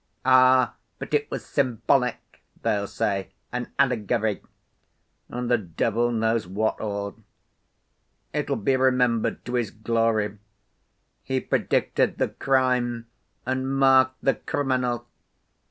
'Ah, but it was symbolic,' they'll say, 'an allegory,' and the devil knows what all! It'll be remembered to his glory: 'He predicted the crime and marked the criminal!